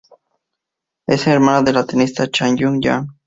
Es hermana de la tenista Chan Yung-jan.